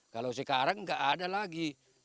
kalau sekarang nggak ada lagi